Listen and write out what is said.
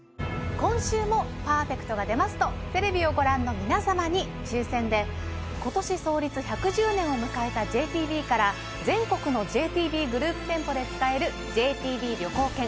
今週もパーフェクトが出ますとテレビをご覧の皆様に抽選で今年創立１１０年を迎えたＪＴＢから全国のＪＴＢグループ店舗で使えるＪＴＢ旅行券１０万円分をプレゼントいたします